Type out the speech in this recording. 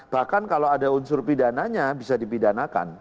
bahkan kalau ada unsur pidananya bisa dipidanakan